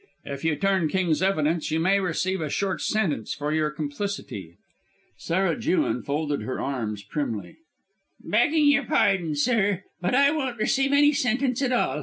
"If you turn King's evidence you may receive a short sentence for your complicity." Sarah Jewin folded her arms primly. "Begging your pardon, sir, but I won't receive any sentence at all.